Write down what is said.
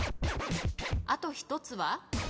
あと１つは？